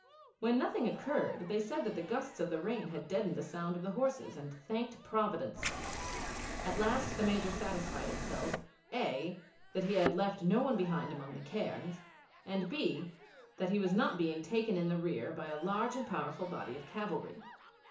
When nothing occurred, they said that the gusts of the rain had deadened the sound of the horses, and thanked Providence. At last the Major satisfied himself (a) that he had left no one behind among the cairns, and (b) that he was not being taken in the rear by a large and powerful body of cavalry.